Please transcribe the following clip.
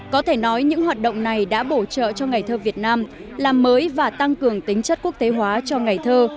có thể nói những hoạt động này đã bổ trợ cho ngày thơ việt nam làm mới và tăng cường tính chất quốc tế hóa cho ngày thơ